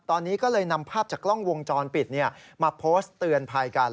ตอนนี้ก็เลยนำภาพจากกล้องวงจรปิดมาโพสต์เตือนภัยกัน